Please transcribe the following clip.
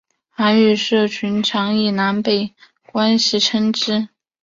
韩语社群常以南北关系称之。